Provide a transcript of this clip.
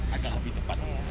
agak lebih cepat